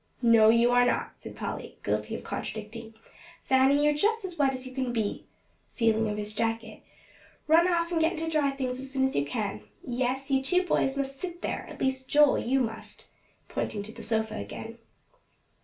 "No, you are not," said Polly, guilty of contradicting, "Vannie, you're just as wet as you can be," feeling of his jacket; "run off and get into dry things as soon as you can. Yes, you two boys must sit there; at least Joel, you must," pointing to the sofa again.